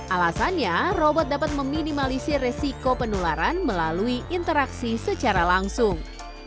alasannya robot dapat meminimalisi resiko penularan melalui interaksi secara langsung